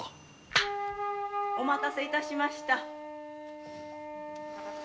・お待たせ致しました。